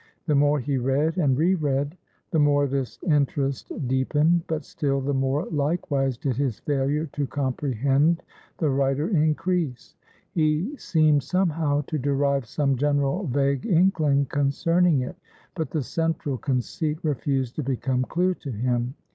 The more he read and re read, the more this interest deepened, but still the more likewise did his failure to comprehend the writer increase. He seemed somehow to derive some general vague inkling concerning it, but the central conceit refused to become clear to him.